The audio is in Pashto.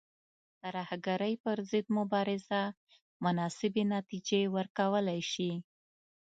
ترهګرۍ پر ضد مبارزه مناسبې نتیجې ورکولای شي.